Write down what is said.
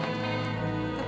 tete mau ke rumah